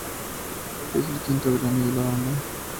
Es el quinto Grammy de la banda.